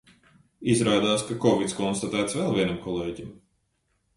Izrādās, ka kovids konstatēts vēl vienam kolēģim.